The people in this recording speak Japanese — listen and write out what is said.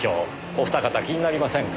お二方気になりませんか？